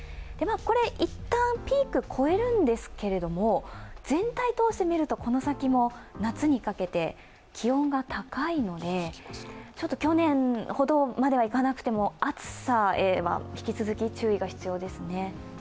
これ、いったんピーク超えるんですけれども、全体通してみるとこの先も夏にかけて気温が高いので去年ほどまでいかなくても暑さへは引き続き注意が必要ですね。